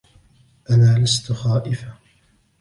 أنا لستُ خائفةً